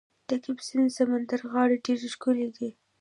د کسپین سمندر غاړې ډیرې ښکلې دي.